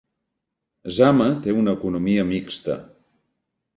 Zama té una economia mixta.